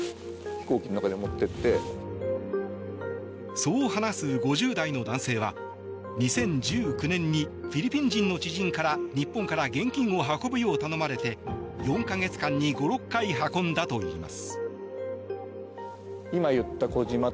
そう話す５０代の男性は２０１９年にフィリピン人の知人から日本から現金を運ぶよう頼まれて４か月間に５６回運んだといいます。